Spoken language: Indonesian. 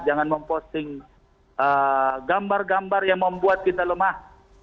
jangan memposting gambar gambar yang membuat kita lemah